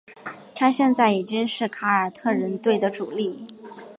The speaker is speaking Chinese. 他现在已经是凯尔特人队的主力。